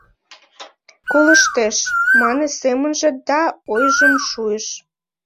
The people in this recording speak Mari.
«Колыштеш!» — мане семынже да ойжым шуйыш.